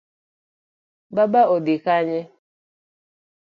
Baba odhi Kanye?